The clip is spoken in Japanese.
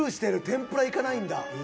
天ぷらいかないんだ。